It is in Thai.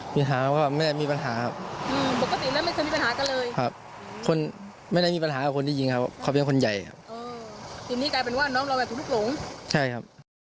อ๋อทีนี้กลายเป็นว่าน้องเราแบบลูกหลวงใช่ครับ